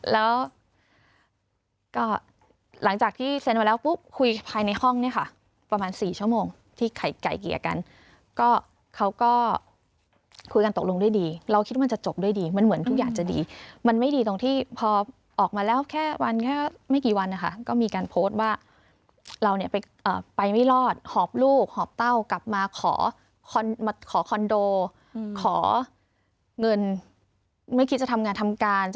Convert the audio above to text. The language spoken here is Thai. แล้วก็หลังจากที่เซ็นมาแล้วปุ๊บคุยภายในห้องเนี่ยค่ะประมาณ๔ชั่วโมงที่ไก่เกลี่ยกันก็เขาก็คุยกันตกลงด้วยดีเราคิดว่ามันจะจบด้วยดีมันเหมือนทุกอย่างจะดีมันไม่ดีตรงที่พอออกมาแล้วแค่วันแค่ไม่กี่วันนะคะก็มีการโพสต์ว่าเราเนี่ยไปไม่รอดหอบลูกหอบเต้ากลับมาขอคอนโดขอเงินไม่คิดจะทำงานทำการ